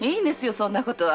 そんなことは。